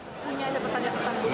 punya ada pertanyaan tentang ini